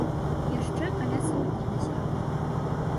Яшчэ каля сотні назірала.